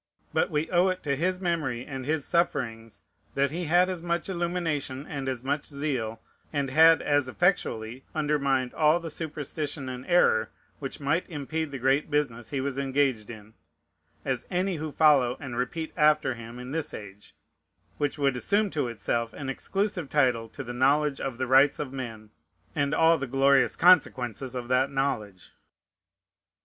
But we owe it to his memory and his sufferings, that he had as much illumination and as much zeal, and had as effectually undermined all the superstition and error which might impede the great business he was engaged in, as any who follow and repeat after him in this age, which would assume to itself an exclusive title to the knowledge of the rights of men, and all the glorious consequences of that knowledge.